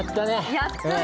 やったね。